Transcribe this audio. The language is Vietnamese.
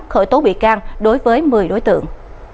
khởi tố bị can đối với một mươi đối tượng